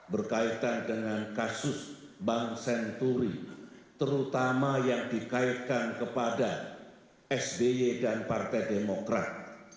berkaitan dengan kasus bank senturi terutama yang dikaitkan kepada sby dan partai demokrat